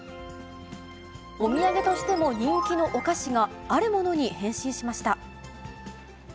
お土産としても人気のお菓子が、あるものに変身しました。